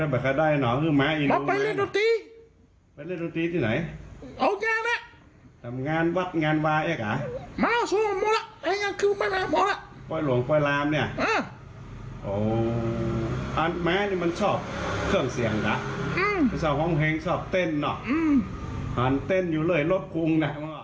เบอร์หลวงเปร้าะแล้วคลิปค่ะ